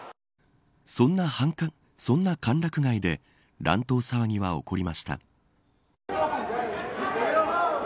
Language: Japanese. そんな歓楽街で乱闘騒ぎは起こりました。